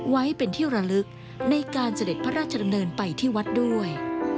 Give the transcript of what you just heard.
ไว้เป็นที่ระลึกในการเสด็จพระราชดำเนินไปที่วัดด้วย